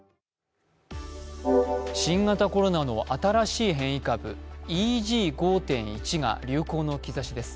新型コロナの新しい変異株ＥＧ５．１が流行の兆しです。